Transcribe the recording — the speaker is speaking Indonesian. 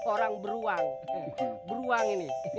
orang beruang beruang ini